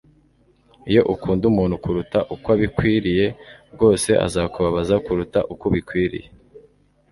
iyo ukunda umuntu kuruta uko abikwiriye, rwose azakubabaza kuruta uko ubikwiriye